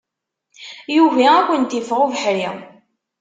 Yugi ad kent-iffeɣ ubeḥri.